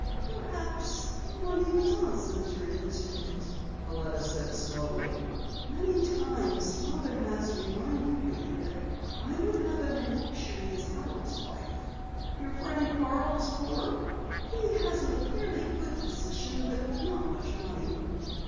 "Perhaps money does enter into it," Pauletta said slowly. "Many times Father has reminded me that I would have every luxury as Howard's wife." "Your friend Carl is poor?" "He has a fairly good position, but not much money.